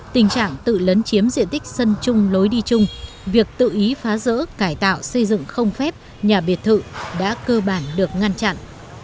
tình trạng tự lấn chiếm diện tích sân chung lối đi chung việc tự ý phá rỡ cải tạo xây dựng không phép nhà biệt thự đã cơ bản được ngăn chặn